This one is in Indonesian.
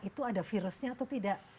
itu ada virusnya atau tidak